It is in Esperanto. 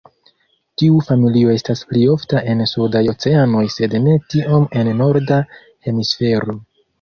Tiu familio estas pli ofta en sudaj oceanoj sed ne tiom en Norda hemisfero.